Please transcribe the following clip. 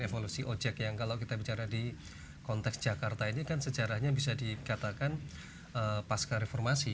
evolusi ojek yang kalau kita bicara di konteks jakarta ini kan sejarahnya bisa dikatakan pasca reformasi